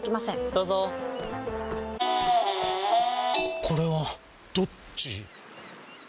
どうぞこれはどっち？